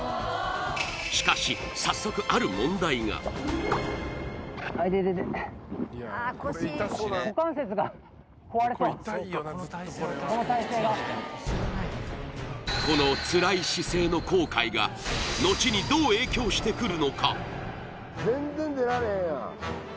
しかし早速ある問題がこのつらい姿勢の航海がのちにどう影響してくるのか